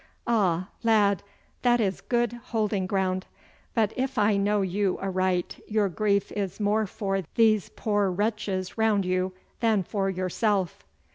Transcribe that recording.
Ah, lad, that is good holding ground! But if I know you aright, your grief is more for these poor wretches around you than for yourself.